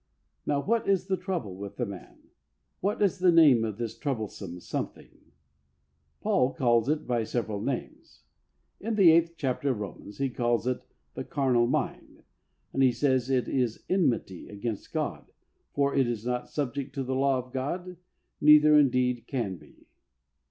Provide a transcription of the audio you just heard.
Now, what is the trouble with the man ? What is the name of this trouble some something? Paul calls it by several names. In the eighth chapter of Romans he calls it '' the carnal mind," and he says it is " enmity against God, for it is not subject to the law of God, neither indeed can be."